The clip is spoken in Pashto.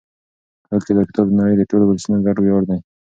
هوکې دا کتاب د نړۍ د ټولو ولسونو ګډ ویاړ دی.